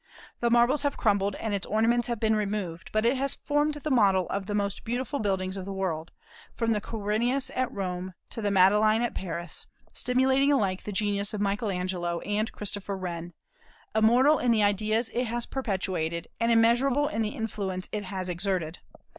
The marbles have crumbled and its ornaments have been removed, but it has formed the model of the most beautiful buildings of the world, from the Quirinus at Rome to the Madeleine at Paris, stimulating alike the genius of Michael Angelo and Christopher Wren, immortal in the ideas it has perpetuated, and immeasurable in the influence it has exerted.